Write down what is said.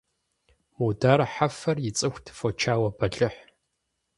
Мудар Хьэфэр ицӀыхут фочауэ бэлыхь.